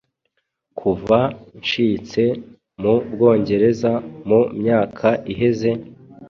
Kuva nshitse mu Bwongereza mu myaka iheze,